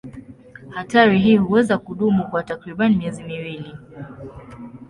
Hatari hii huweza kudumu kwa takriban miezi miwili.